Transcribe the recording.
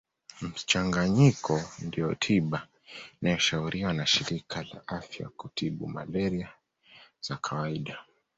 Mchanganyiko ndiyo tiba inayoshauriwa na shirika la afya kutiba malaria za kawaida